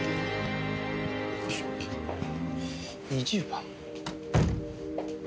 ２０番。